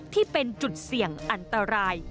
ที่เป็นจุดเสี่ยงอันตราย